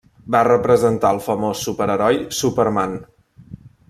Va representar el famós superheroi Superman.